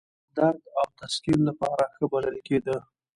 د درد او تسکین لپاره ښه بلل کېده.